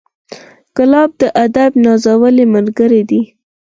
ګلاب د ادب نازولی ملګری دی.